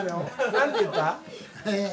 何て言った？